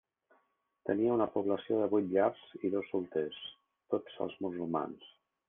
Tenia una població de vuit llars i dos solters, tots els musulmans.